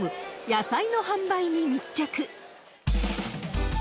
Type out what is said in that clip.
野菜の販売に密着。